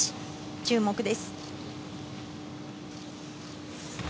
注目です。